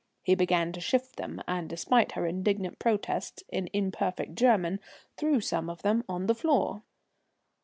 He began to shift them, and, despite her indignant protests in imperfect German, threw some of them on the floor.